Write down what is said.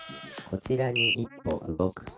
「こちらに１歩動く」ピッ。